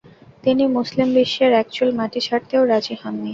তিনি মুসলিম বিশ্বের একচুল মাটি ছাড়তেও রাজি হননি।